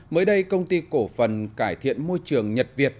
mới đây công ty cổ phần cải thiện môi trường nhật việt